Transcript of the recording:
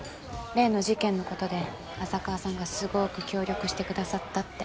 例の事件のことで浅川さんがすごく協力してくださったって。